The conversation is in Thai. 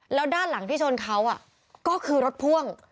แล้วด้านหลังที่ชนเขาก็คือรถพ่วง